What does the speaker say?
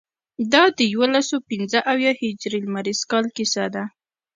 دا د یوسلو پنځه اویا هجري لمریز کال کیسه ده.